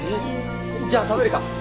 じゃあ食べるか！